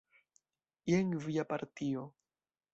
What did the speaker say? Jen via partio.